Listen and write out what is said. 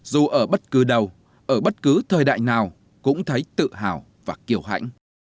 dù ở bất cứ đâu ở bất cứ thời đại nào cũng thấy tự hào và kiều hãnh